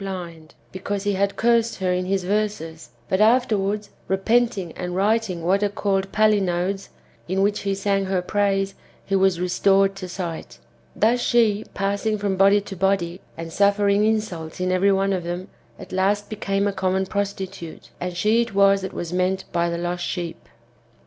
blind, because he had cursed her in his verses, but afterwards, repenting and writing what are called palinodes^ in which he sang her praise, he was restored to sight. Thus she, passing from body to body, and suffering insults in every one of them, at last became a common prostitute ; and she it was that was meant by the lost sheep.